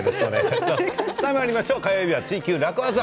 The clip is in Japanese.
火曜日は「ツイＱ楽ワザ」。